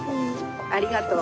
ありがとう。